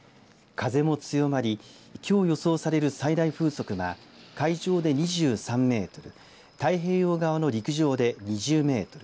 風も強まりきょう予想される最大風速は海上で２３メートル太平洋側の陸上で２０メートル